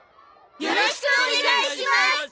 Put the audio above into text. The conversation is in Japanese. よろしくお願いします！